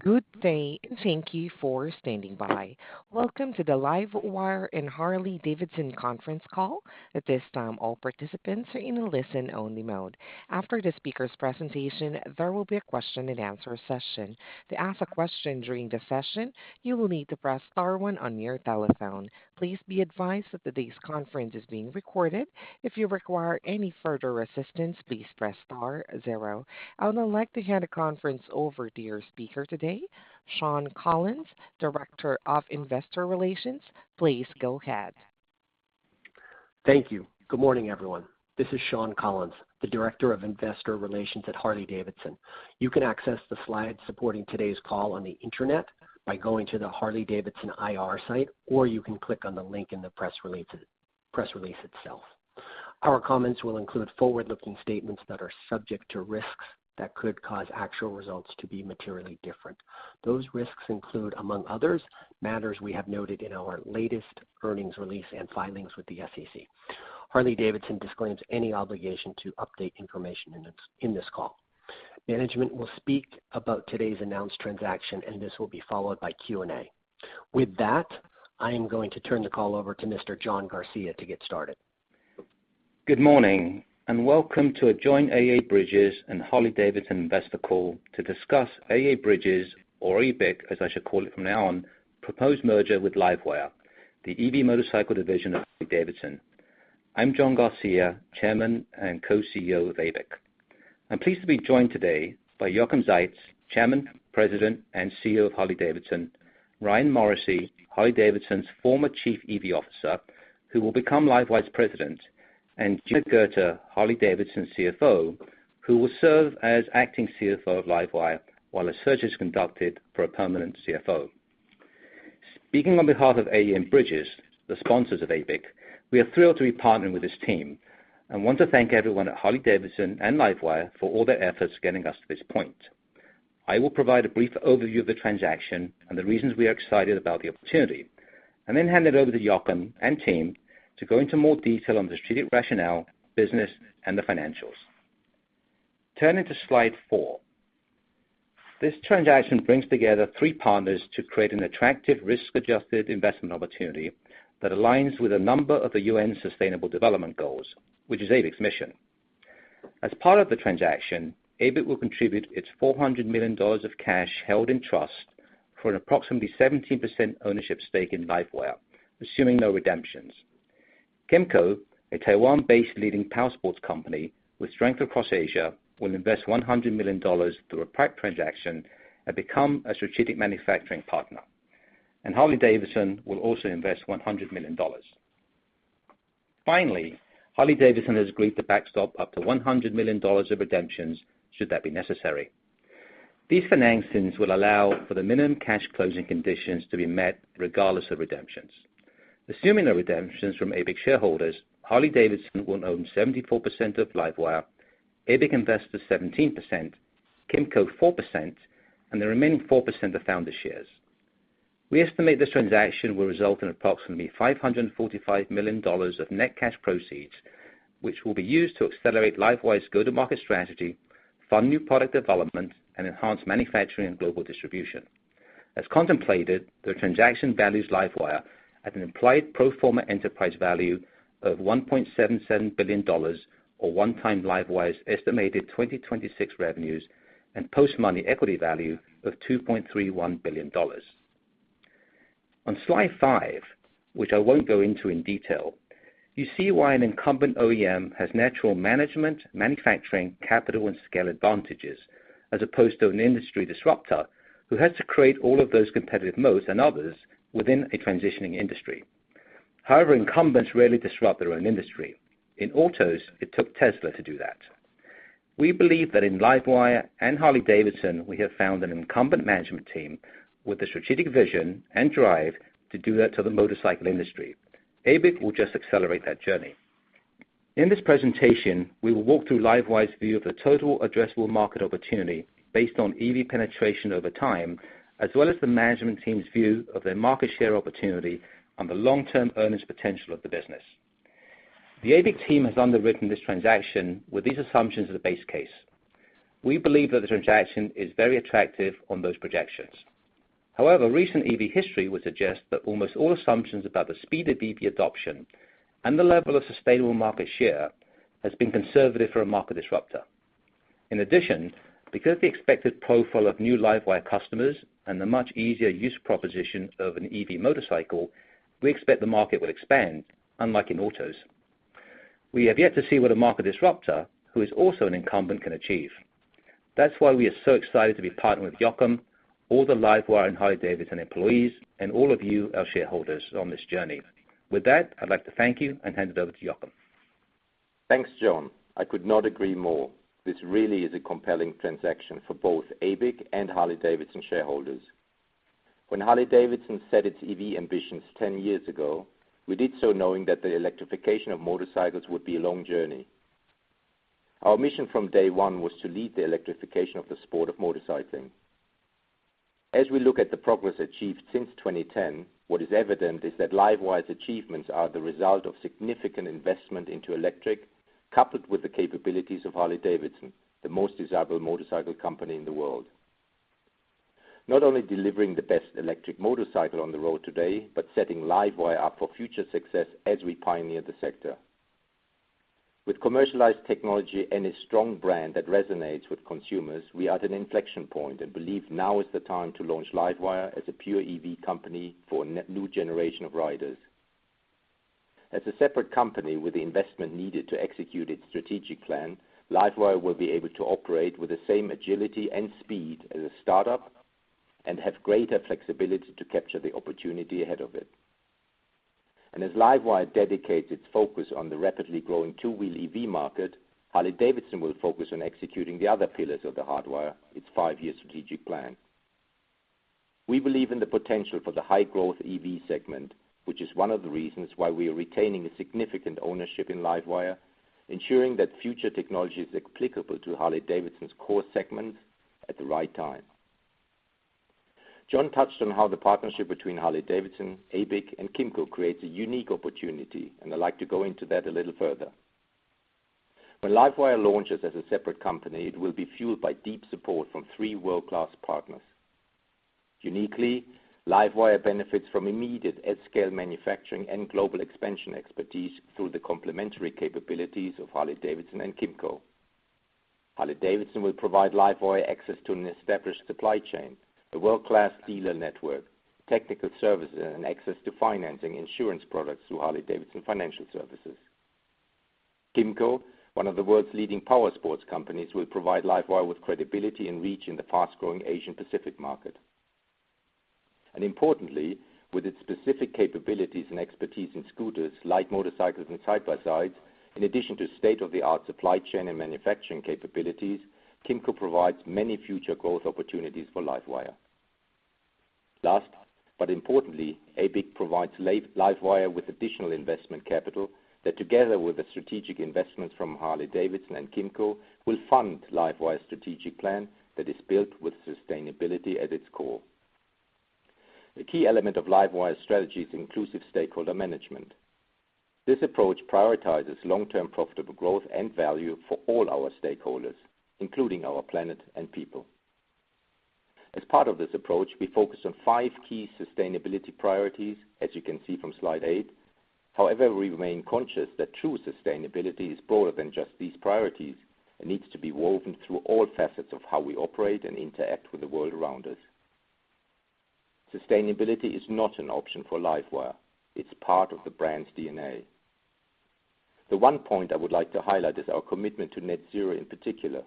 Good day, and thank you for standing by. Welcome to the LiveWire and Harley-Davidson Conference Call. At this time, all participants are in a listen-only mode. After the speaker's presentation, there will be a question-and-answer session. To ask a question during the session, you will need to press star one on your telephone. Please be advised that today's conference is being recorded. If you require any further assistance, please press star zero. I would now like to hand the conference over to your speaker today, Shawn Collins, Director of Investor Relations. Please go ahead. Thank you. Good morning, everyone. This is Shawn Collins, the Director of Investor Relations at Harley-Davidson. You can access the slides supporting today's call on the Internet by going to the Harley-Davidson IR site, or you can click on the link in the press release itself. Our comments will include forward-looking statements that are subject to risks that could cause actual results to be materially different. Those risks include, among others, matters we have noted in our latest earnings release and filings with the SEC. Harley-Davidson disclaims any obligation to update information in this call. Management will speak about today's announced transaction, and this will be followed by Q&A. With that, I am going to turn the call over to Mr. John Garcia to get started. Good morning, and welcome to a joint AEA-Bridges and Harley-Davidson Investor Call to discuss AEA-Bridges, or ABIC, as I should call it from now on, proposed merger with LiveWire, the EV motorcycle division of Harley-Davidson. I'm John Garcia, Chairman and Co-CEO of ABIC. I'm pleased to be joined today by Jochen Zeitz, Chairman, President, and CEO of Harley-Davidson, Ryan Morrissey, Harley-Davidson's former Chief EV Officer, who will become LiveWire's President, and Gina Goetter, Harley-Davidson's CFO, who will serve as acting CFO of LiveWire while a search is conducted for a permanent CFO. Speaking on behalf of AEA-Bridges, the sponsors of ABIC, we are thrilled to be partnering with this team and want to thank everyone at Harley-Davidson and LiveWire for all their efforts getting us to this point. I will provide a brief overview of the transaction and the reasons we are excited about the opportunity and then hand it over to Jochen and team to go into more detail on the strategic rationale, business, and the financials. Turning to slide four. This transaction brings together three partners to create an attractive risk-adjusted investment opportunity that aligns with a number of the UN's Sustainable Development Goals, which is ABIC's mission. As part of the transaction, ABIC will contribute its $400 million of cash held in trust for an approximately 17% ownership stake in LiveWire, assuming no redemptions. KYMCO, a Taiwan-based leading powersports company with strength across Asia, will invest $100 million through a PIPE transaction and become a strategic manufacturing partner. Harley-Davidson will also invest $100 million. Finally, Harley-Davidson has agreed to backstop up to $100 million of redemptions should that be necessary. These financings will allow for the minimum cash closing conditions to be met regardless of redemptions. Assuming no redemptions from ABIC shareholders, Harley-Davidson will own 74% of LiveWire, ABIC investors 17%, KYMCO 4%, and the remaining 4% are founder shares. We estimate this transaction will result in approximately $545 million of net cash proceeds, which will be used to accelerate LiveWire's go-to-market strategy, fund new product development, and enhance manufacturing and global distribution. As contemplated, the transaction values LiveWire at an implied pro forma enterprise value of $1.77 billion or 1x LiveWire's estimated 2026 revenues and post-money equity value of $2.31 billion. On slide five, which I won't go into in detail, you see why an incumbent OEM has natural management, manufacturing, capital, and scale advantages as opposed to an industry disruptor who has to create all of those competitive moats and others within a transitioning industry. However, incumbents rarely disrupt their own industry. In autos, it took Tesla to do that. We believe that in LiveWire and Harley-Davidson, we have found an incumbent management team with the strategic vision and drive to do that to the motorcycle industry. ABIC will just accelerate that journey. In this presentation, we will walk through LiveWire's view of the total addressable market opportunity based on EV penetration over time, as well as the management team's view of their market share opportunity and the long-term earnings potential of the business. The ABIC team has underwritten this transaction with these assumptions as a base case. We believe that the transaction is very attractive on those projections. However, recent EV history would suggest that almost all assumptions about the speed of EV adoption and the level of sustainable market share has been conservative for a market disruptor. In addition, because of the expected profile of new LiveWire customers and the much easier use proposition of an EV motorcycle, we expect the market will expand, unlike in autos. We have yet to see what a market disruptor who is also an incumbent can achieve. That's why we are so excited to be partnering with Jochen, all the LiveWire and Harley-Davidson employees, and all of you, our shareholders, on this journey. With that, I'd like to thank you and hand it over to Jochen. Thanks, John. I could not agree more. This really is a compelling transaction for both ABIC and Harley-Davidson shareholders. When Harley-Davidson set its EV ambitions 10 years ago, we did so knowing that the electrification of motorcycles would be a long journey. Our mission from day one was to lead the electrification of the sport of motorcycling. As we look at the progress achieved since 2010, what is evident is that LiveWire's achievements are the result of significant investment into electric, coupled with the capabilities of Harley-Davidson, the most desirable motorcycle company in the world. Not only delivering the best electric motorcycle on the road today, but setting LiveWire up for future success as we pioneer the sector. With commercialized technology and a strong brand that resonates with consumers, we are at an inflection point and believe now is the time to launch LiveWire as a pure EV company for a new generation of riders. As a separate company with the investment needed to execute its strategic plan, LiveWire will be able to operate with the same agility and speed as a startup and have greater flexibility to capture the opportunity ahead of it. As LiveWire dedicates its focus on the rapidly growing two-wheel EV market, Harley-Davidson will focus on executing the other pillars of the Hardwire, its five-year strategic plan. We believe in the potential for the high-growth EV segment, which is one of the reasons why we are retaining a significant ownership in LiveWire, ensuring that future technology is applicable to Harley-Davidson's core segment at the right time. John touched on how the partnership between Harley-Davidson, ABIC, and KYMCO creates a unique opportunity, and I'd like to go into that a little further. When LiveWire launches as a separate company, it will be fueled by deep support from three world-class partners. Uniquely, LiveWire benefits from immediate at-scale manufacturing and global expansion expertise through the complementary capabilities of Harley-Davidson and KYMCO. Harley-Davidson will provide LiveWire access to an established supply chain, a world-class dealer network, technical services, and access to financing insurance products through Harley-Davidson Financial Services. KYMCO, one of the world's leading powersports companies, will provide LiveWire with credibility and reach in the fast-growing Asia-Pacific market. Importantly, with its specific capabilities and expertise in scooters, light motorcycles, and side-by-sides, in addition to state-of-the-art supply chain and manufacturing capabilities, KYMCO provides many future growth opportunities for LiveWire. Last, but importantly, ABIC provides the LiveWire with additional investment capital that, together with the strategic investments from Harley-Davidson and KYMCO, will fund LiveWire's strategic plan that is built with sustainability at its core. A key element of LiveWire's strategy is inclusive stakeholder management. This approach prioritizes long-term profitable growth and value for all our stakeholders, including our planet and people. As part of this approach, we focus on five key sustainability priorities, as you can see from slide eight. However, we remain conscious that true sustainability is broader than just these priorities and needs to be woven through all facets of how we operate and interact with the world around us. Sustainability is not an option for LiveWire. It's part of the brand's DNA. The one point I would like to highlight is our commitment to net zero in particular.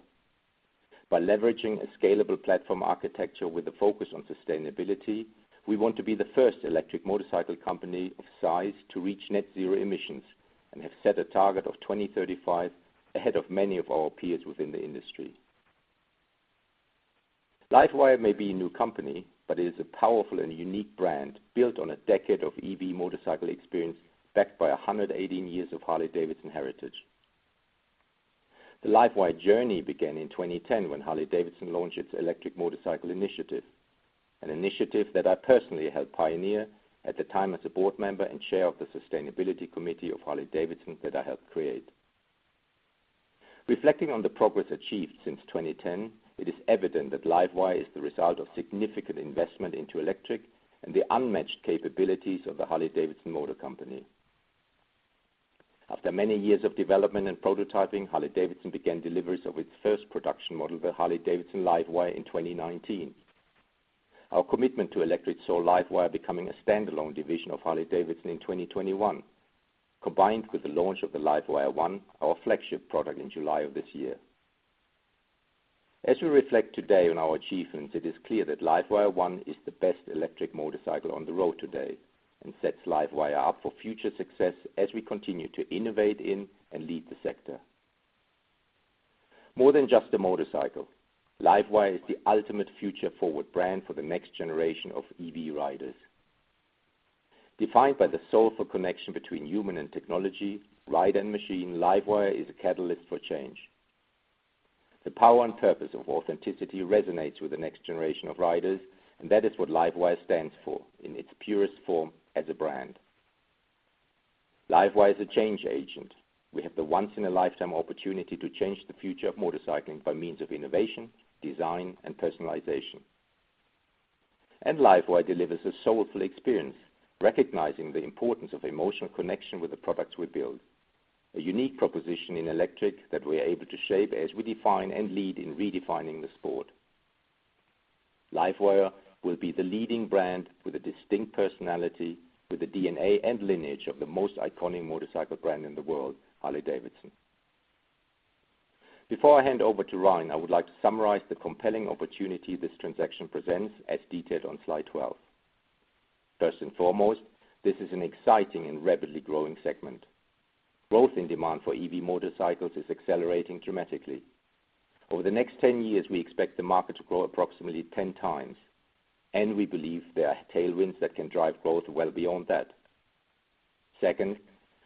By leveraging a scalable platform architecture with a focus on sustainability, we want to be the first electric motorcycle company of size to reach net zero emissions and have set a target of 2035 ahead of many of our peers within the industry. LiveWire may be a new company, but it is a powerful and unique brand built on a decade of EV motorcycle experience backed by 118 years of Harley-Davidson heritage. The LiveWire journey began in 2010 when Harley-Davidson launched its electric motorcycle initiative, an initiative that I personally helped pioneer at the time as a board member and chair of the sustainability committee of Harley-Davidson that I helped create. Reflecting on the progress achieved since 2010, it is evident that LiveWire is the result of significant investment into electric and the unmatched capabilities of the Harley-Davidson Motor Company. After many years of development and prototyping, Harley-Davidson began deliveries of its first production model, the Harley-Davidson LiveWire, in 2019. Our commitment to electrification saw LiveWire becoming a standalone division of Harley-Davidson in 2021, combined with the launch of the LiveWire ONE, our flagship product, in July of this year. As we reflect today on our achievements, it is clear that LiveWire ONE is the best electric motorcycle on the road today and sets LiveWire up for future success as we continue to innovate in and lead the sector. More than just a motorcycle, LiveWire is the ultimate future-forward brand for the next generation of EV riders. Defined by the soulful connection between human and technology, ride and machine, LiveWire is a catalyst for change. The power and purpose of authenticity resonates with the next generation of riders, and that is what LiveWire stands for in its purest form as a brand. LiveWire is a change agent. We have the once-in-a-lifetime opportunity to change the future of motorcycling by means of innovation, design, and personalization. LiveWire delivers a soulful experience, recognizing the importance of emotional connection with the products we build, a unique proposition in electric that we are able to shape as we define and lead in redefining the sport. LiveWire will be the leading brand with a distinct personality, with the DNA and lineage of the most iconic motorcycle brand in the world, Harley-Davidson. Before I hand over to Ryan, I would like to summarize the compelling opportunity this transaction presents as detailed on slide 12. First and foremost, this is an exciting and rapidly growing segment. Growth in demand for EV motorcycles is accelerating dramatically. Over the next 10 years, we expect the market to grow approximately 10x, and we believe there are tailwinds that can drive growth well beyond that. Second,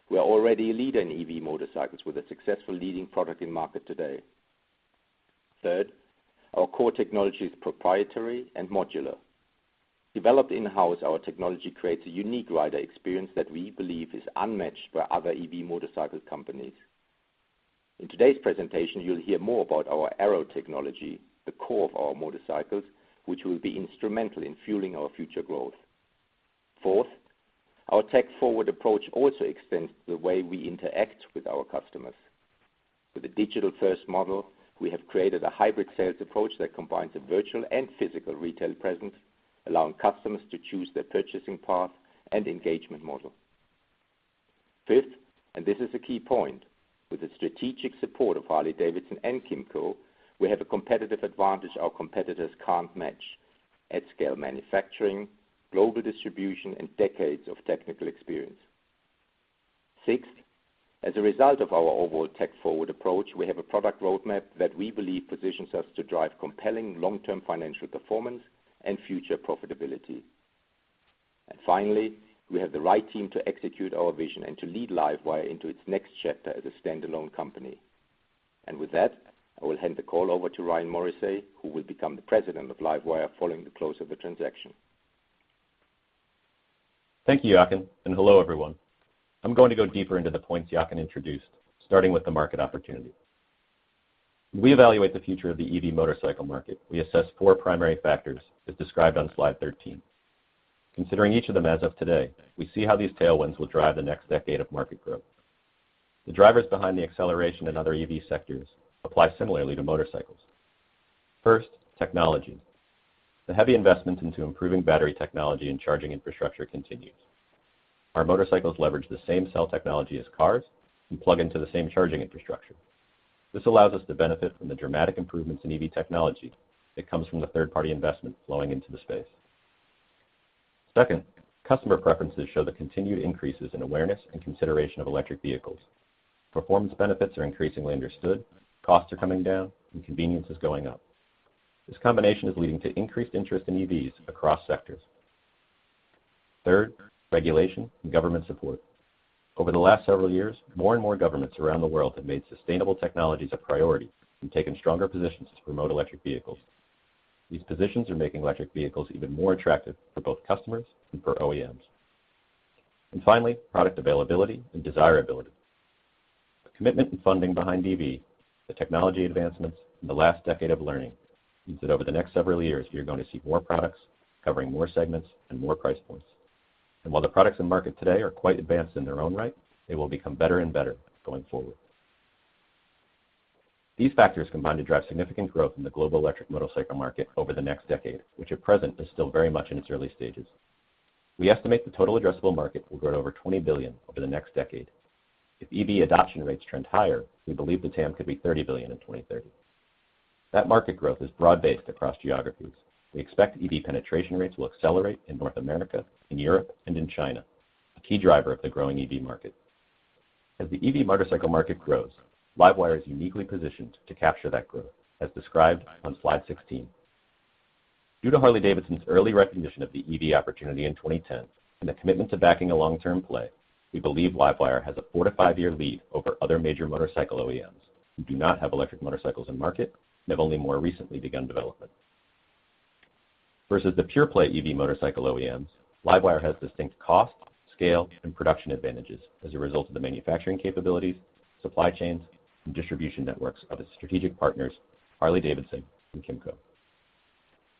we are already a leader in EV motorcycles with a successful leading product in market today. Third, our core technology is proprietary and modular. Developed in-house, our technology creates a unique rider experience that we believe is unmatched by other EV motorcycle companies. In today's presentation, you'll hear more about our Arrow technology, the core of our motorcycles, which will be instrumental in fueling our future growth. Fourth, our tech-forward approach also extends to the way we interact with our customers. With a digital-first model, we have created a hybrid sales approach that combines a virtual and physical retail presence, allowing customers to choose their purchasing path and engagement model. Fifth, and this is a key point, with the strategic support of Harley-Davidson and KYMCO, we have a competitive advantage our competitors can't match, at scale manufacturing, global distribution, and decades of technical experience. Sixth, as a result of our overall tech-forward approach, we have a product roadmap that we believe positions us to drive compelling long-term financial performance and future profitability. Finally, we have the right team to execute our vision and to lead LiveWire into its next chapter as a standalone company. With that, I will hand the call over to Ryan Morrissey, who will become the president of LiveWire following the close of the transaction. Thank you, Jochen, and hello, everyone. I'm going to go deeper into the points Jochen introduced, starting with the market opportunity. We evaluate the future of the EV motorcycle market. We assess four primary factors, as described on slide 13. Considering each of them as of today, we see how these tailwinds will drive the next decade of market growth. The drivers behind the acceleration in other EV sectors apply similarly to motorcycles. First, technology. The heavy investment into improving battery technology and charging infrastructure continues. Our motorcycles leverage the same cell technology as cars and plug into the same charging infrastructure. This allows us to benefit from the dramatic improvements in EV technology that comes from the third-party investment flowing into the space. Second, customer preferences show the continued increases in awareness and consideration of electric vehicles. Performance benefits are increasingly understood, costs are coming down, and convenience is going up. This combination is leading to increased interest in EVs across sectors. Third, regulation and government support. Over the last several years, more and more governments around the world have made sustainable technologies a priority and taken stronger positions to promote electric vehicles. These positions are making electric vehicles even more attractive for both customers and for OEMs. Finally, product availability and desirability. The commitment and funding behind EV, the technology advancements in the last decade of learning means that over the next several years, you're going to see more products covering more segments and more price points. While the products in the market today are quite advanced in their own right, they will become better and better going forward. These factors combine to drive significant growth in the global electric motorcycle market over the next decade, which at present is still very much in its early stages. We estimate the total addressable market will grow to over $20 billion over the next decade. If EV adoption rates trend higher, we believe the TAM could be $30 billion in 2030. That market growth is broad-based across geographies. We expect EV penetration rates will accelerate in North America, in Europe, and in China, a key driver of the growing EV market. As the EV motorcycle market grows, LiveWire is uniquely positioned to capture that growth, as described on slide 16. Due to Harley-Davidson's early recognition of the EV opportunity in 2010 and the commitment to backing a long-term play, we believe LiveWire has a four to five-year lead over other major motorcycle OEMs who do not have electric motorcycles in market and have only more recently begun development. Versus the pure-play EV motorcycle OEMs, LiveWire has distinct cost, scale, and production advantages as a result of the manufacturing capabilities, supply chains, and distribution networks of its strategic partners, Harley-Davidson and KYMCO.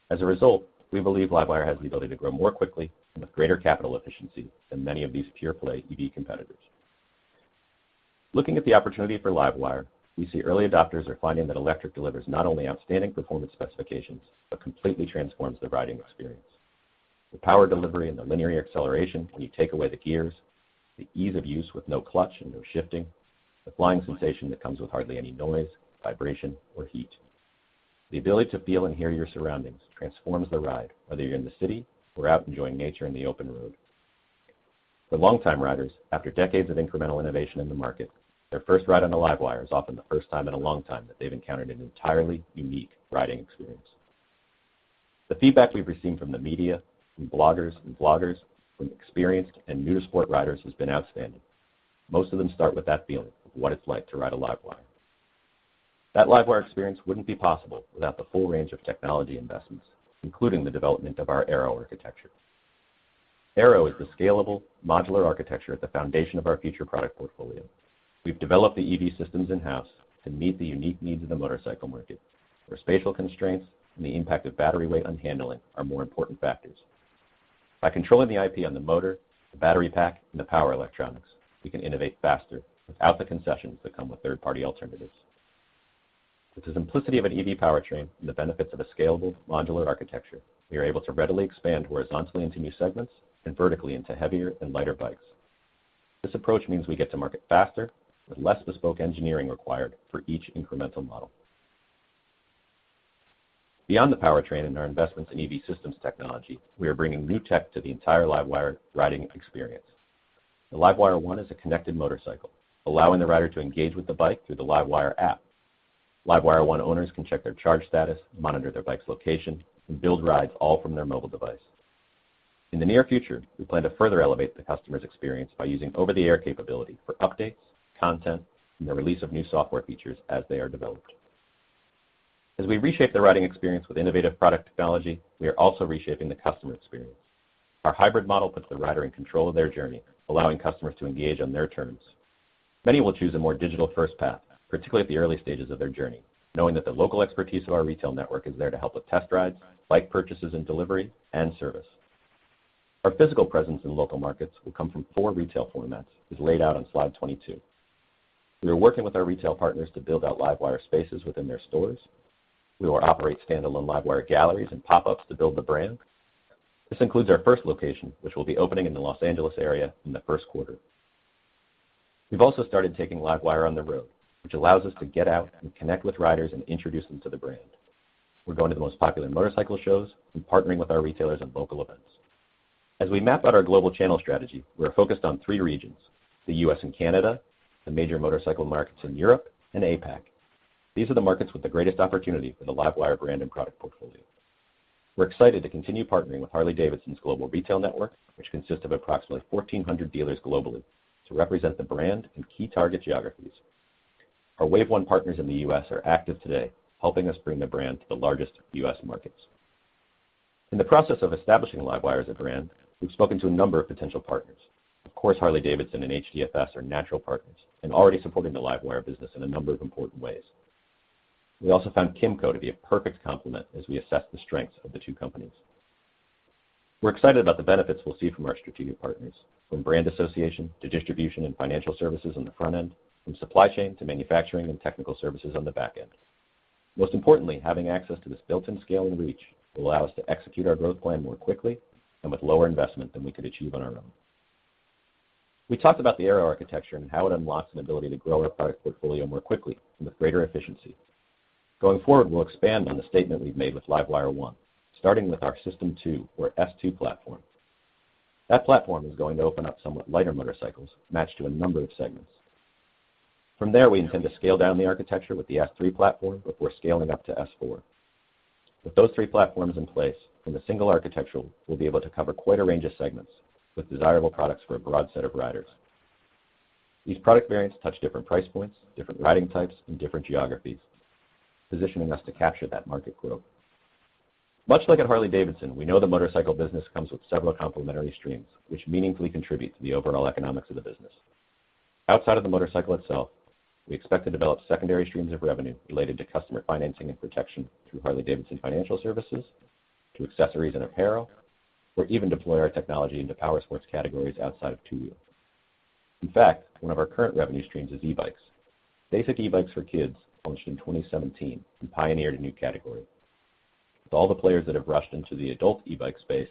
As a result, we believe LiveWire has the ability to grow more quickly and with greater capital efficiency than many of these pure-play EV competitors. Looking at the opportunity for LiveWire, we see early adopters are finding that electric delivers not only outstanding performance specifications, but completely transforms the riding experience. The power delivery and the linear acceleration when you take away the gears, the ease of use with no clutch and no shifting, the flying sensation that comes with hardly any noise, vibration, or heat. The ability to feel and hear your surroundings transforms the ride, whether you're in the city or out enjoying nature on the open road. For longtime riders, after decades of incremental innovation in the market, their first ride on a LiveWire is often the first time in a long time that they've encountered an entirely unique riding experience. The feedback we've received from the media, from bloggers and vloggers, from experienced and new-to-sport riders has been outstanding. Most of them start with that feeling of what it's like to ride a LiveWire. That LiveWire experience wouldn't be possible without the full range of technology investments, including the development of our Arrow architecture. Arrow is the scalable modular architecture at the foundation of our future product portfolio. We've developed the EV systems in-house to meet the unique needs of the motorcycle market, where spatial constraints and the impact of battery weight on handling are more important factors. By controlling the IP on the motor, the battery pack, and the power electronics, we can innovate faster without the concessions that come with third-party alternatives. With the simplicity of an EV powertrain and the benefits of a scalable modular architecture, we are able to readily expand horizontally into new segments and vertically into heavier and lighter bikes. This approach means we get to market faster with less bespoke engineering required for each incremental model. Beyond the powertrain and our investments in EV systems technology, we are bringing new tech to the entire LiveWire riding experience. The LiveWire ONE is a connected motorcycle, allowing the rider to engage with the bike through the LiveWire app. LiveWire ONE owners can check their charge status, monitor their bike's location, and build rides all from their mobile device. In the near future, we plan to further elevate the customer's experience by using over-the-air capability for updates, content, and the release of new software features as they are developed. As we reshape the riding experience with innovative product technology, we are also reshaping the customer experience. Our hybrid model puts the rider in control of their journey, allowing customers to engage on their terms. Many will choose a more digital-first path, particularly at the early stages of their journey, knowing that the local expertise of our retail network is there to help with test rides, bike purchases and delivery, and service. Our physical presence in local markets will come from four retail formats, as laid out on slide 22. We are working with our retail partners to build out LiveWire spaces within their stores. We will operate standalone LiveWire galleries and pop-ups to build the brand. This includes our first location, which will be opening in the Los Angeles area in the first quarter. We've also started taking LiveWire on the road, which allows us to get out and connect with riders and introduce them to the brand. We're going to the most popular motorcycle shows and partnering with our retailers on local events. As we map out our global channel strategy, we are focused on three regions, the U.S. and Canada, the major motorcycle markets in Europe, and APAC. These are the markets with the greatest opportunity for the LiveWire brand and product portfolio. We're excited to continue partnering with Harley-Davidson's global retail network, which consists of approximately 1,400 dealers globally, to represent the brand in key target geographies. Our wave one partners in the U.S. are active today, helping us bring the brand to the largest U.S. markets. In the process of establishing LiveWire as a brand, we've spoken to a number of potential partners. Of course, Harley-Davidson and HDFS are natural partners and already supporting the LiveWire business in a number of important ways. We also found KYMCO to be a perfect complement as we assess the strengths of the two companies. We're excited about the benefits we'll see from our strategic partners, from brand association to distribution and financial services on the front end, from supply chain to manufacturing and technical services on the back end. Most importantly, having access to this built-in scale and reach will allow us to execute our growth plan more quickly and with lower investment than we could achieve on our own. We talked about the Arrow architecture and how it unlocks an ability to grow our product portfolio more quickly and with greater efficiency. Going forward, we'll expand on the statement we've made with LiveWire ONE, starting with our System Two or S2 platform. That platform is going to open up somewhat lighter motorcycles matched to a number of segments. From there, we intend to scale down the architecture with the S3 platform before scaling up to S4. With those three platforms in place in a single architecture, we'll be able to cover quite a range of segments with desirable products for a broad set of riders. These product variants touch different price points, different riding types, and different geographies, positioning us to capture that market growth. Much like at Harley-Davidson, we know the motorcycle business comes with several complementary streams which meaningfully contribute to the overall economics of the business. Outside of the motorcycle itself, we expect to develop secondary streams of revenue related to customer financing and protection through Harley-Davidson Financial Services, to accessories and apparel, or even deploy our technology into powersports categories outside of two-wheel. In fact, one of our current revenue streams is e-bikes. STACYC E-bikes for Kids launched in 2017 and pioneered a new category. With all the players that have rushed into the adult e-bike space,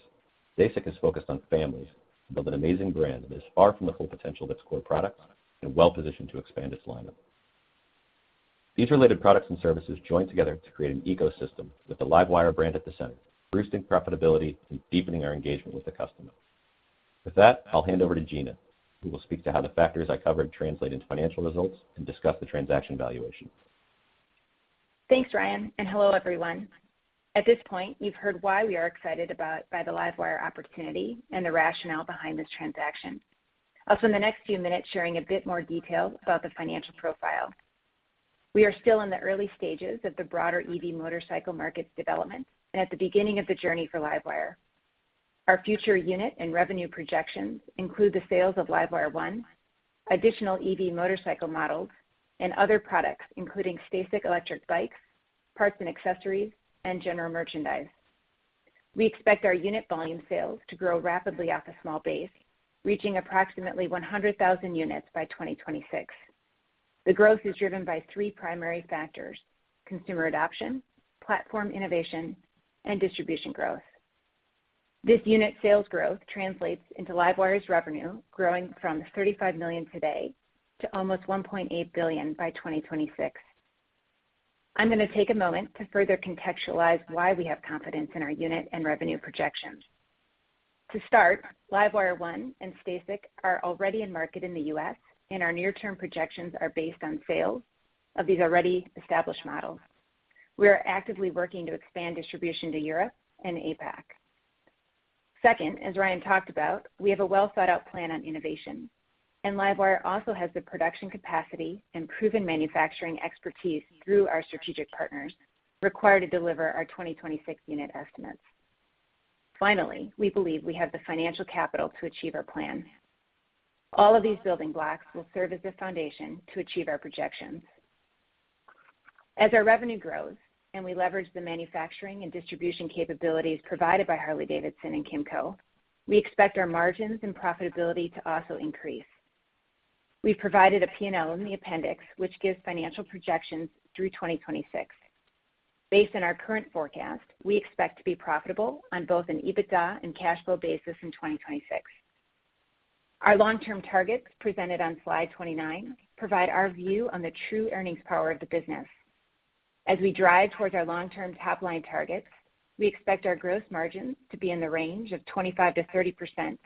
STACYC has focused on families and built an amazing brand that is far from the full potential of its core product and well-positioned to expand its lineup. These related products and services join together to create an ecosystem with the LiveWire brand at the center, boosting profitability and deepening our engagement with the customer. With that, I'll hand over to Gina, who will speak to how the factors I covered translate into financial results and discuss the transaction valuation. Thanks, Ryan, and hello, everyone. At this point, you've heard why we are excited by the LiveWire opportunity and the rationale behind this transaction. I'll spend the next few minutes sharing a bit more detail about the financial profile. We are still in the early stages of the broader EV motorcycle market's development and at the beginning of the journey for LiveWire. Our future unit and revenue projections include the sales of LiveWire One, additional EV motorcycle models, and other products, including STACYC electric bikes, parts and accessories, and general merchandise. We expect our unit volume sales to grow rapidly off a small base, reaching approximately 100,000 units by 2026. The growth is driven by three primary factors, consumer adoption, platform innovation, and distribution growth. This unit sales growth translates into LiveWire's revenue growing from $35 million today to almost $1.8 billion by 2026. I'm going to take a moment to further contextualize why we have confidence in our unit and revenue projections. To start, LiveWire ONE and STACYC are already in market in the U.S., and our near-term projections are based on sales of these already established models. We are actively working to expand distribution to Europe and APAC. Second, as Ryan talked about, we have a well-thought-out plan on innovation, and LiveWire also has the production capacity and proven manufacturing expertise through our strategic partners required to deliver our 2026 unit estimates. Finally, we believe we have the financial capital to achieve our plan. All of these building blocks will serve as the foundation to achieve our projections. As our revenue grows and we leverage the manufacturing and distribution capabilities provided by Harley-Davidson and KYMCO, we expect our margins and profitability to also increase. We've provided a P&L in the appendix, which gives financial projections through 2026. Based on our current forecast, we expect to be profitable on both an EBITDA and cash flow basis in 2026. Our long-term targets presented on slide 29 provide our view on the true earnings power of the business. As we drive towards our long-term top-line targets, we expect our gross margins to be in the range of 25%-30%.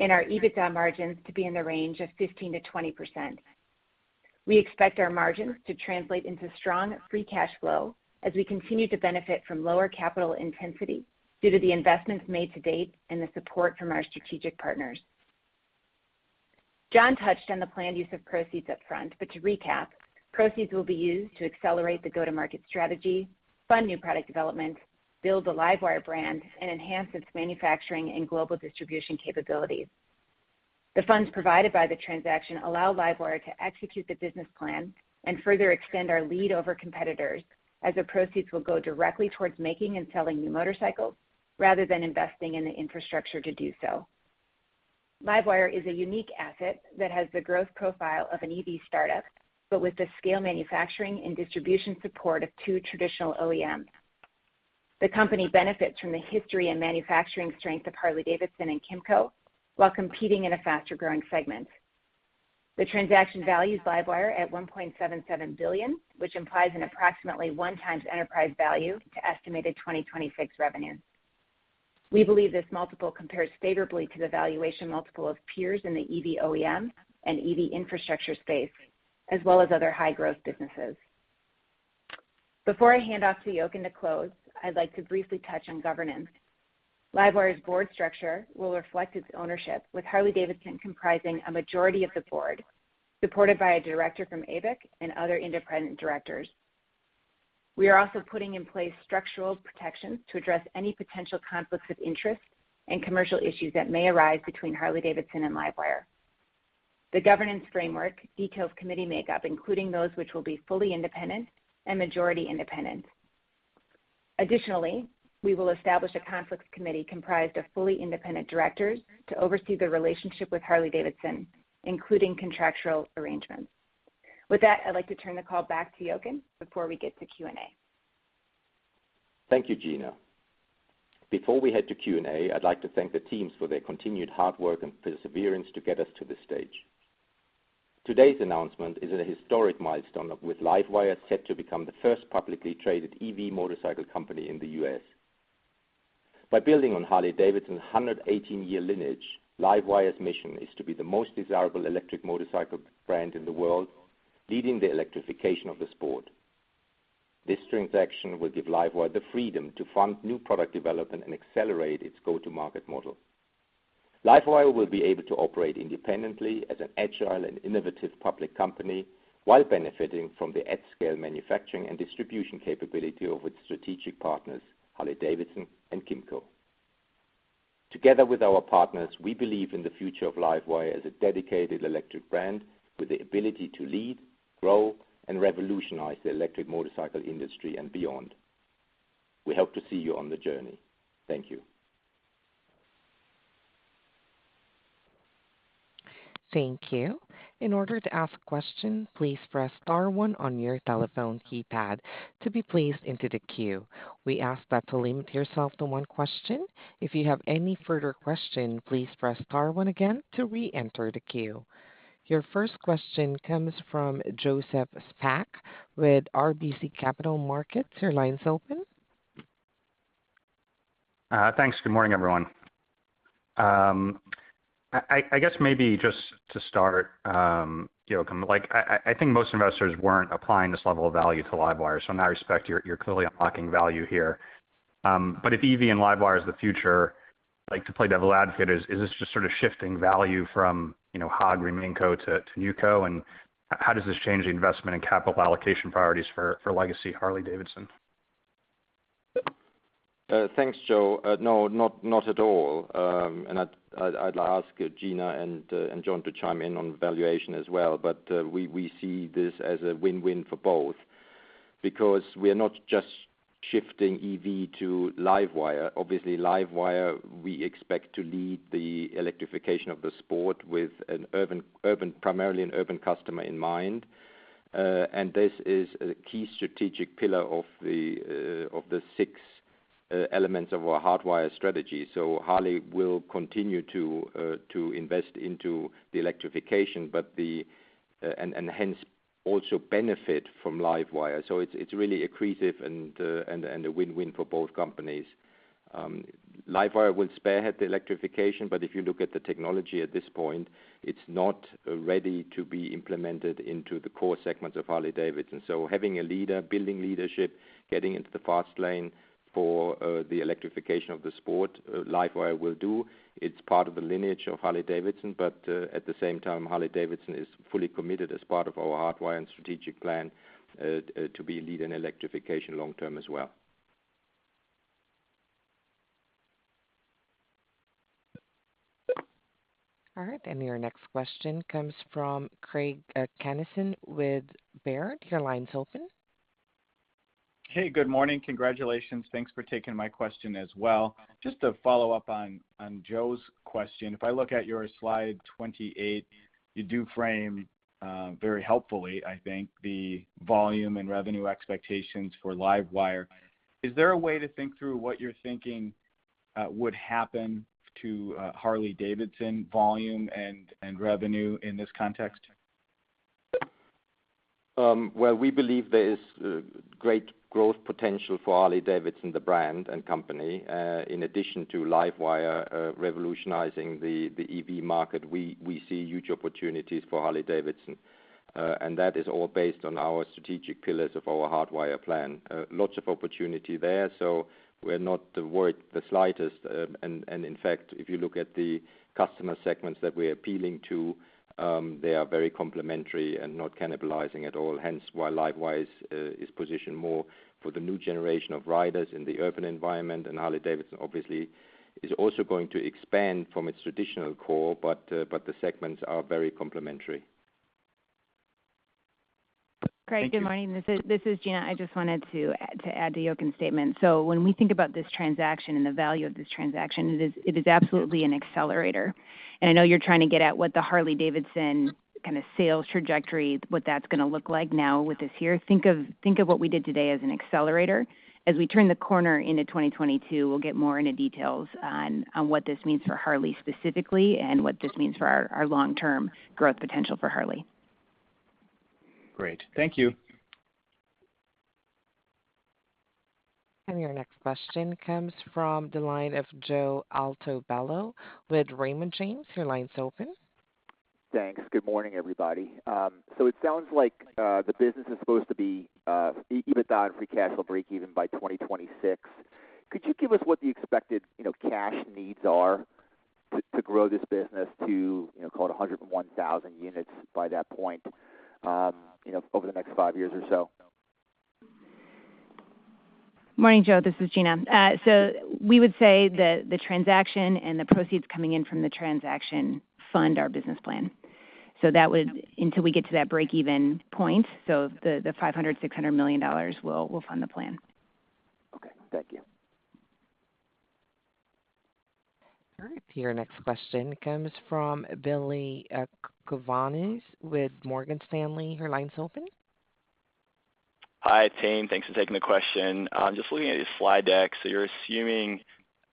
Our EBITDA margins to be in the range of 15%-20%. We expect our margins to translate into strong free cash flow as we continue to benefit from lower capital intensity due to the investments made to date and the support from our strategic partners. John touched on the planned use of proceeds up front, but to recap, proceeds will be used to accelerate the go-to-market strategy, fund new product development, build the LiveWire brand, and enhance its manufacturing and global distribution capabilities. The funds provided by the transaction allow LiveWire to execute the business plan and further extend our lead over competitors as the proceeds will go directly towards making and selling new motorcycles rather than investing in the infrastructure to do so. LiveWire is a unique asset that has the growth profile of an EV startup, but with the scale manufacturing and distribution support of two traditional OEMs. The company benefits from the history and manufacturing strength of Harley-Davidson and KYMCO while competing in a faster-growing segment. The transaction values LiveWire at $1.77 billion, which implies an approximately 1x enterprise value to estimated 2026 revenue. We believe this multiple compares favorably to the valuation multiple of peers in the EV OEM and EV infrastructure space, as well as other high-growth businesses. Before I hand off to Jochen to close, I'd like to briefly touch on governance. LiveWire's board structure will reflect its ownership, with Harley-Davidson comprising a majority of the board, supported by a director from ABIC and other independent directors. We are also putting in place structural protections to address any potential conflicts of interest and commercial issues that may arise between Harley-Davidson and LiveWire. The governance framework details committee makeup, including those which will be fully independent and majority independent. Additionally, we will establish a conflicts committee comprised of fully independent directors to oversee the relationship with Harley-Davidson, including contractual arrangements. With that, I'd like to turn the call back to Jochen before we get to Q&A. Thank you, Gina. Before we head to Q&A, I'd like to thank the teams for their continued hard work and perseverance to get us to this stage. Today's announcement is a historic milestone with LiveWire set to become the first publicly traded EV motorcycle company in the U.S. By building on Harley-Davidson's 118-year lineage, LiveWire's mission is to be the most desirable electric motorcycle brand in the world, leading the electrification of the sport. This transaction will give LiveWire the freedom to fund new product development and accelerate its go-to-market model. LiveWire will be able to operate independently as an agile and innovative public company while benefiting from the at-scale manufacturing and distribution capability of its strategic partners, Harley-Davidson and KYMCO. Together with our partners, we believe in the future of LiveWire as a dedicated electric brand with the ability to lead, grow, and revolutionize the electric motorcycle industry and beyond. We hope to see you on the journey. Thank you. Thank you. In order to ask questions, please press star one on your telephone keypad to be placed into the queue. We ask that to limit yourself to one question. If you have any further question, please press star one again to reenter the queue. Your first question comes from Joseph Spak with RBC Capital Markets. Your line's open. Thanks. Good morning, everyone. I guess maybe just to start, Jochen, like I think most investors weren't applying this level of value to LiveWire, so in that respect, you're clearly unlocking value here. If EV and LiveWire is the future, like to play devil's advocate, is this just sort of shifting value from, you know, HOG remaining Co to New Co? How does this change the investment and capital allocation priorities for legacy Harley-Davidson? Thanks, Joe. No, not at all. I'd ask Gina and John to chime in on valuation as well, but we see this as a win-win for both because we are not just shifting EV to LiveWire. Obviously, LiveWire, we expect to lead the electrification of the sport with primarily an urban customer in mind. This is a key strategic pillar of the six elements of our Hardwire strategy. Harley will continue to invest into the electrification, but then also benefit from LiveWire. It's really accretive and a win-win for both companies. LiveWire will spearhead the electrification, but if you look at the technology at this point, it's not ready to be implemented into the core segments of Harley-Davidson. Having a leader, building leadership, getting into the fast lane for the electrification of the sport, LiveWire will do. It's part of the lineage of Harley-Davidson, at the same time, Harley-Davidson is fully committed as part of our Hardwire and strategic plan to be a leader in electrification long term as well. All right. Your next question comes from Craig Kennison with Baird. Your line's open. Hey, good morning. Congratulations. Thanks for taking my question as well. Just to follow up on Joe's question. If I look at your slide 28, you do frame very helpfully, I think, the volume and revenue expectations for LiveWire. Is there a way to think through what you're thinking would happen to Harley-Davidson volume and revenue in this context? Well, we believe there is great growth potential for Harley-Davidson, the brand and company. In addition to LiveWire revolutionizing the EV market, we see huge opportunities for Harley-Davidson. That is all based on our strategic pillars of our Hardwire plan. Lots of opportunity there. We're not worried the slightest. In fact, if you look at the customer segments that we're appealing to, they are very complementary and not cannibalizing at all, hence why LiveWire is positioned more for the new generation of riders in the urban environment. Harley-Davidson obviously is also going to expand from its traditional core, but the segments are very complementary. Craig, good morning. Thank you. This is Gina. I just wanted to add to Jochen's statement. When we think about this transaction and the value of this transaction, it is absolutely an accelerator. I know you're trying to get at what the Harley-Davidson kind of sales trajectory, what that's gonna look like now with this here. Think of what we did today as an accelerator. As we turn the corner into 2022, we'll get more into details on what this means for Harley specifically, and what this means for our long-term growth potential for Harley. Great. Thank you. Your next question comes from the line of Joe Altobello with Raymond James. Your line's open. Thanks. Good morning, everybody. It sounds like the business is supposed to be EBITDA free cash flow breakeven by 2026. Could you give us what the expected cash needs are to grow this business to call it 101,000 units by that point, you know, over the next five years or so? Morning, Joe. This is Gina. We would say that the transaction and the proceeds coming in from the transaction fund our business plan until we get to that break-even point. The $500 million-$600 million will fund the plan. Okay, thank you. All right, your next question comes from Billy Kovanis with Morgan Stanley. Your line's open. Hi, team. Thanks for taking the question. Just looking at your slide deck. You're assuming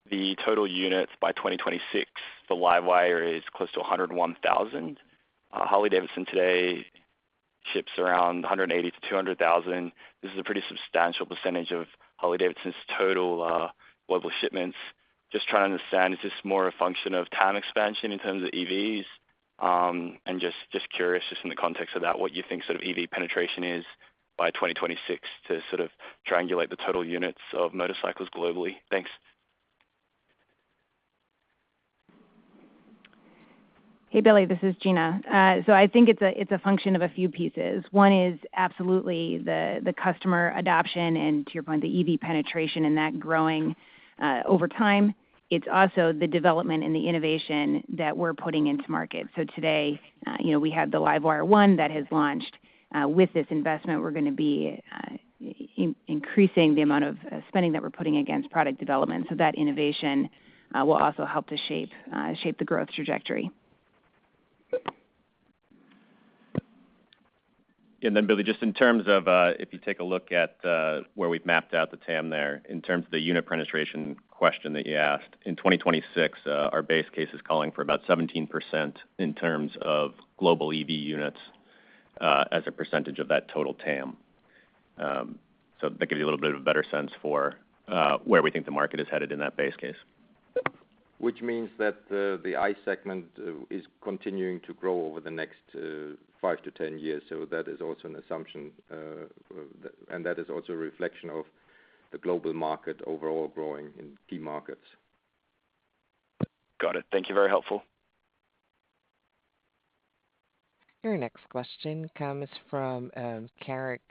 the total units by 2026 for LiveWire is close to 101,000. Harley-Davidson today ships around 180,000-200,000. This is a pretty substantial percentage of Harley-Davidson's total global shipments. Just trying to understand, is this more a function of TAM expansion in terms of EVs? Just curious, in the context of that, what you think sort of EV penetration is by 2026 to sort of triangulate the total units of motorcycles globally. Thanks. Hey, Billy, this is Gina. I think it's a function of a few pieces. One is absolutely the customer adoption and to your point, the EV penetration and that growing over time. It's also the development and the innovation that we're putting into market. Today, you know, we have the LiveWire ONE that has launched. With this investment we're gonna be increasing the amount of spending that we're putting against product development. That innovation will also help to shape the growth trajectory. Billy, just in terms of, if you take a look at, where we've mapped out the TAM there, in terms of the unit penetration question that you asked, in 2026, our base case is calling for about 17% in terms of global EV units, as a percentage of that total TAM. That gives you a little bit of a better sense for, where we think the market is headed in that base case. Which means that the EV segment is continuing to grow over the next five to 10 years. That is also an assumption, and that is also a reflection of the global market overall growing in key markets. Got it. Thank you. Very helpful. Your next question comes from, Gerrick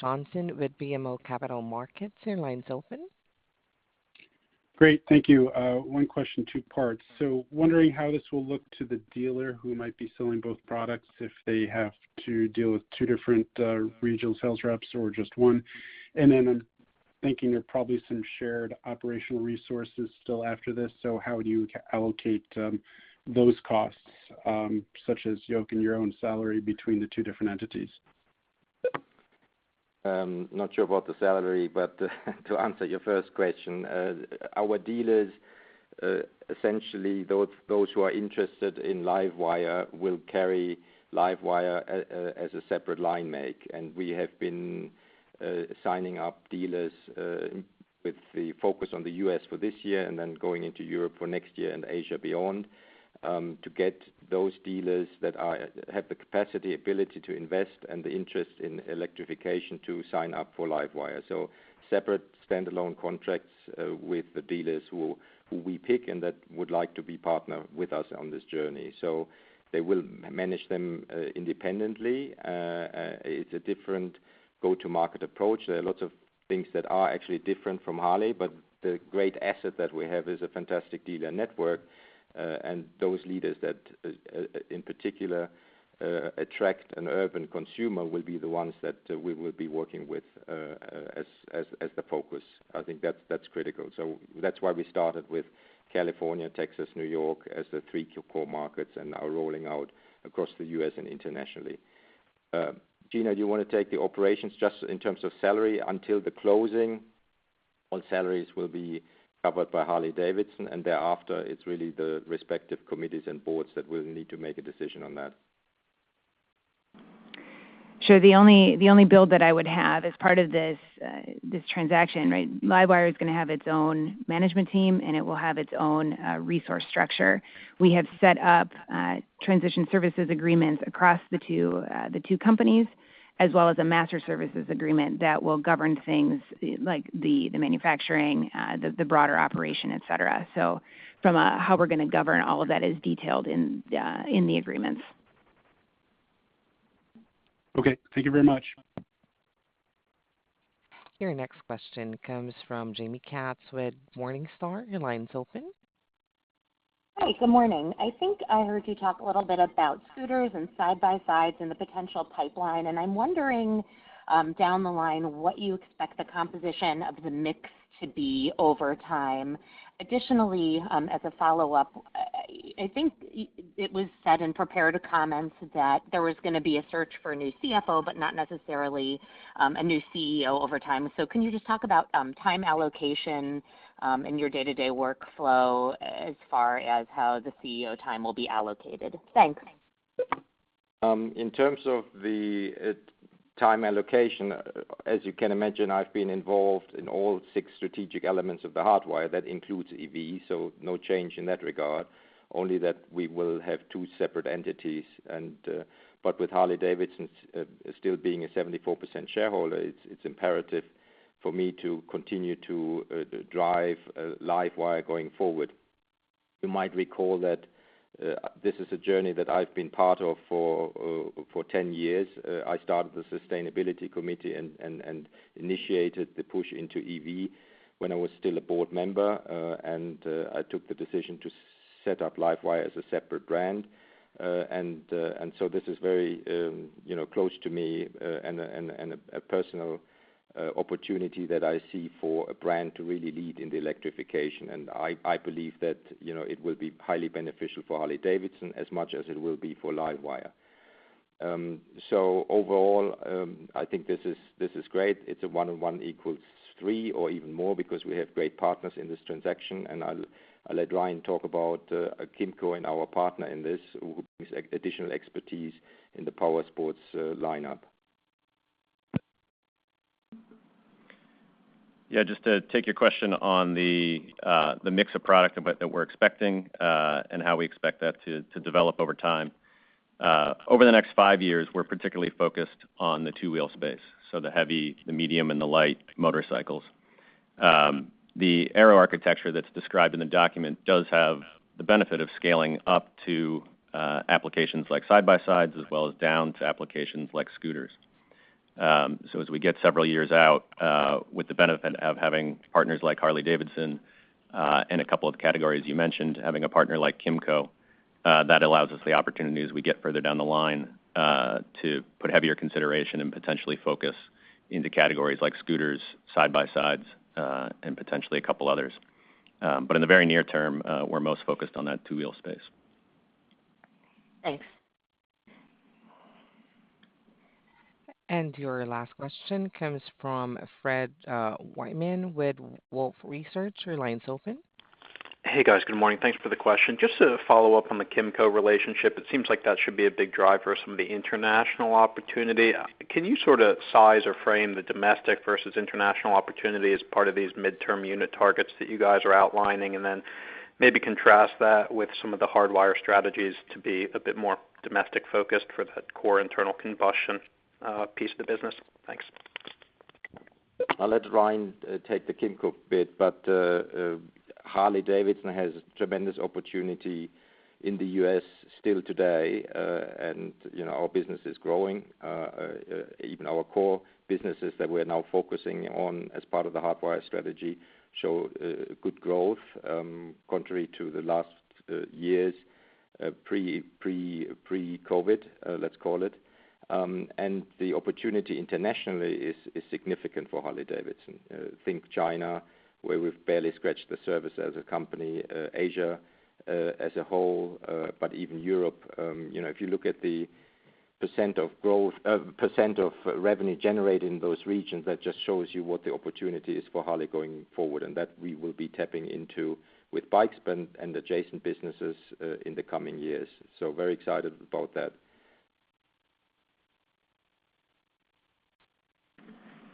Johnson with BMO Capital Markets. Your line's open. Great. Thank you. One question, two parts. Wondering how this will look to the dealer who might be selling both products if they have to deal with two different regional sales reps or just one. I'm thinking there are probably some shared operational resources still after this, so how would you allocate those costs, such as Jochen, your own salary between the two different entities? Not sure about the salary, but to answer your first question, our dealers, essentially, those who are interested in LiveWire, will carry LiveWire as a separate line make. We have been signing up dealers with the focus on the U.S. for this year and then going into Europe for next year and Asia beyond, to get those dealers that have the capacity, ability to invest and the interest in electrification to sign up for LiveWire. Separate standalone contracts with the dealers who we pick and that would like to be partner with us on this journey. They will manage them independently. It's a different go-to market approach. There are lots of things that are actually different from Harley, but the great asset that we have is a fantastic dealer network. Those leaders that in particular attract an urban consumer will be the ones that we will be working with as the focus. I think that's critical. That's why we started with California, Texas, New York as the three core markets and are rolling out across the U.S. and internationally. Gina, do you wanna take the operations just in terms of salary until the closing? All salaries will be covered by Harley-Davidson, and thereafter, it's really the respective committees and boards that will need to make a decision on that. Sure. The only build that I would have as part of this transaction, right? LiveWire is going to have its own management team, and it will have its own resource structure. We have set up transition services agreements across the two companies, as well as a master services agreement that will govern things like the manufacturing, the broader operation, et cetera. How we're going to govern all of that is detailed in the agreements. Okay, thank you very much. Your next question comes from Jaime Katz with Morningstar. Your line's open. Hi. Good morning. I think I heard you talk a little bit about scooters and side-by-sides in the potential pipeline, and I'm wondering, down the line, what you expect the composition of the mix to be over time. Additionally, as a follow-up, I think it was said in prepared comments that there was going to be a search for a new CFO, but not necessarily, a new CEO over time. Can you just talk about, time allocation, in your day-to-day workflow as far as how the CEO time will be allocated? Thanks. In terms of the time allocation, as you can imagine, I've been involved in all six strategic elements of the Hardwire. That includes EV, so no change in that regard, only that we will have two separate entities. With Harley-Davidson still being a 74% shareholder, it's imperative for me to continue to drive LiveWire going forward. You might recall that this is a journey that I've been part of for 10 years. I started the sustainability committee and initiated the push into EV when I was still a board member, and I took the decision to set up LiveWire as a separate brand. This is very, you know, close to me and a personal opportunity that I see for a brand to really lead in the electrification. I believe that, you know, it will be highly beneficial for Harley-Davidson as much as it will be for LiveWire. Overall, I think this is great. It's a one-on-one equals three or even more because we have great partners in this transaction. I'll let Ryan talk about KYMCO and our partner in this, who brings additional expertise in the powersports lineup. Yeah. Just to take your question on the mix of product that we're expecting, and how we expect that to develop over time. Over the next five years, we're particularly focused on the two-wheel space, so the heavy, the medium, and the light motorcycles. The Arrow architecture that's described in the document does have the benefit of scaling up to applications like side-by-sides, as well as down to applications like scooters. So as we get several years out, with the benefit of having partners like Harley-Davidson, and a couple of categories you mentioned, having a partner like KYMCO, that allows us the opportunity as we get further down the line, to put heavier consideration and potentially focus into categories like scooters, side-by-sides, and potentially a couple others. In the very near term, we're most focused on that two-wheel space. Thanks. Your last question comes from Fred Wightman with Wolfe Research. Your line's open. Hey, guys. Good morning. Thanks for the question. Just to follow up on the KYMCO relationship, it seems like that should be a big driver of some of the international opportunity. Can you sort of size or frame the domestic versus international opportunity as part of these midterm unit targets that you guys are outlining? Then maybe contrast that with some of the Hardwire strategies to be a bit more domestic-focused for the core internal combustion piece of the business. Thanks. I'll let Ryan take the KYMCO bit, but Harley-Davidson has tremendous opportunity in the U.S. still today. You know, our business is growing, even our core businesses that we're now focusing on as part of the Hardwire strategy show good growth, contrary to the last years, pre-COVID, let's call it. The opportunity internationally is significant for Harley-Davidson. Think China, where we've barely scratched the surface as a company, Asia, as a whole, but even Europe. You know, if you look at the percent of revenue generated in those regions, that just shows you what the opportunity is for Harley going forward, and that we will be tapping into with bike spend and adjacent businesses, in the coming years. Very excited about that.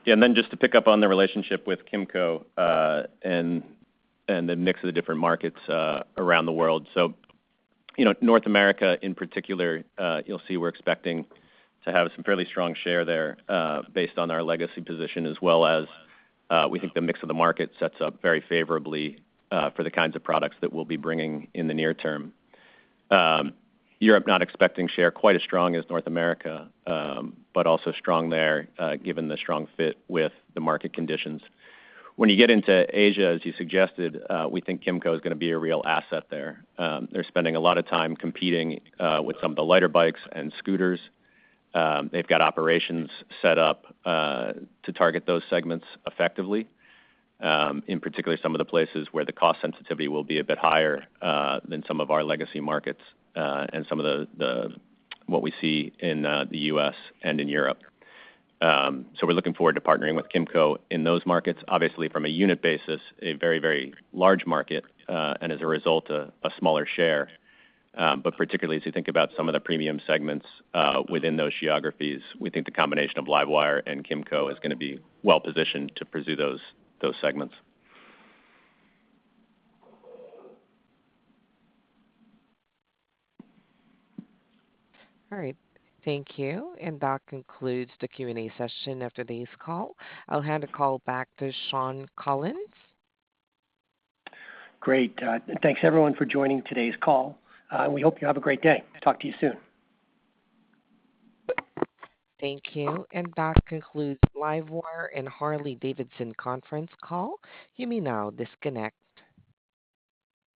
Just to pick up on the relationship with KYMCO and the mix of the different markets around the world. You know, North America in particular, you'll see we're expecting to have some fairly strong share there, based on our legacy position, as well as we think the mix of the market sets up very favorably for the kinds of products that we'll be bringing in the near term. Europe, not expecting share quite as strong as North America, but also strong there, given the strong fit with the market conditions. When you get into Asia, as you suggested, we think KYMCO is going to be a real asset there. They're spending a lot of time competing with some of the lighter bikes and scooters. They've got operations set up to target those segments effectively, in particular some of the places where the cost sensitivity will be a bit higher than some of our legacy markets, and some of what we see in the U.S. and in Europe. We're looking forward to partnering with KYMCO in those markets. Obviously, from a unit basis, a very, very large market, and as a result, a smaller share. Particularly as you think about some of the premium segments within those geographies, we think the combination of LiveWire and KYMCO is going to be well-positioned to pursue those segments. All right. Thank you. That concludes the Q&A session of today's call. I'll hand the call back to Shawn Collins. Great. Thanks everyone for joining today's call. We hope you have a great day. Talk to you soon. Thank you. That concludes LiveWire and Harley-Davidson conference call. You may now disconnect.